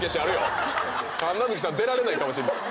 神奈月さん出られないかもしんない。